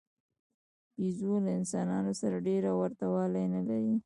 بیزو له انسانانو سره ډېره ورته والی نه لري.